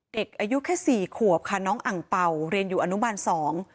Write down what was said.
เด็กอายุแค่สี่ขวบค่ะน้องอังเป่าเรียนอยู่อนุบาลสอง